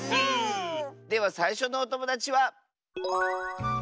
ではさいしょのおともだちは。